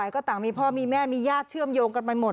ก็ต่างมีพ่อมีแม่มีญาติเชื่อมโยงกันไปหมด